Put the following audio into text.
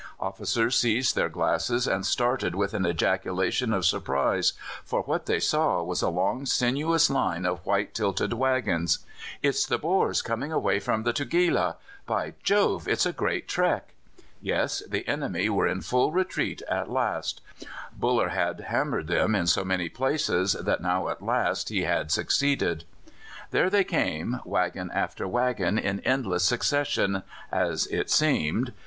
Officers seized their glasses, and started with an ejaculation of surprise, for what they saw was a long sinuous line of white tilted waggons. "It's the Boers coming away from the Tugela! By Jove! it's a great trek!" Yes, the enemy were in full retreat at last; Buller had hammered them in so many places, and now at last he had succeeded. There they came, waggon after waggon, in endless succession, as it seemed.